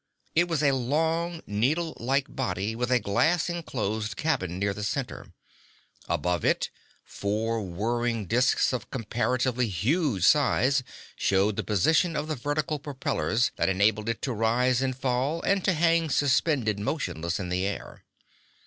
It was a long, needlelike body with a glass inclosed cabin near the center. Above it four whirring disks of comparatively huge size showed the position of the vertical propellers that enabled it to rise and fall and to hang suspended motionless in the air.